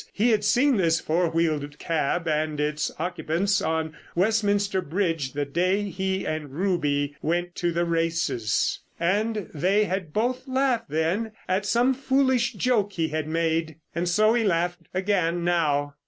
He had seen this four wheeled cab and its occupants on Westminster Bridge the day he and Ruby went to the races. And they had both laughed then at some foolish joke he had made. And so he laughed again now.